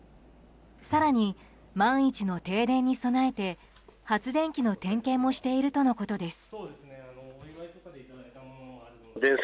更に、万一の停電に備えて発電機の点検もしているとのことです。